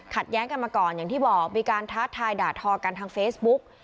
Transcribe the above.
แย้งกันมาก่อนอย่างที่บอกมีการท้าทายด่าทอกันทางเฟซบุ๊ก